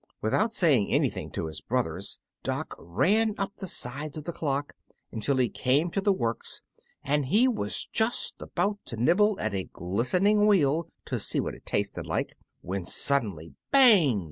Without saying anything to his brothers, Dock ran up the sides of the clock until he came to the works, and he was just about to nibble at a glistening wheel, to see what it tasted like, when suddenly "Bang!"